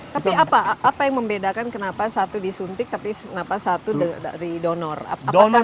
tapi apa yang membedakan kenapa satu disuntik tapi kenapa satu dari donor